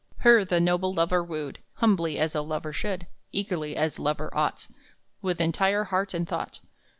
Her the noble lover wooed, Humbly, as a lover should, Eagerly, as lover ought, With entire heart and thought.